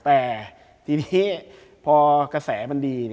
แต่ทีนี้พอกระแสมันดี